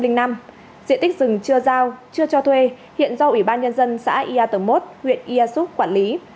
diện tích rừng chưa giao chưa cho thuê hiện do ủy ban nhân dân xã yatomot huyện yasuk quản lý